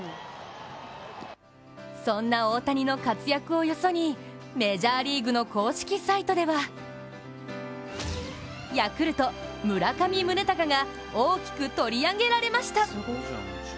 そんな大谷の活躍をよそに、メジャーリーグの公式サイトではヤクルト・村上宗隆が大きく取り上げられました。